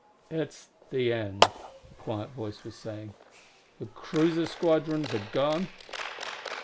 "It is the end," the quiet voice was saying; "the cruiser squadrons are gone....